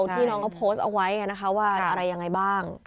ที่น้องเขาโพสต์เอาไว้นะคะว่าอะไรยังไงบ้าง